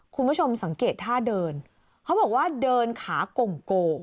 คุณผู้ชมสังเกตท่าเดินเขาบอกว่าเดินขาก่งโก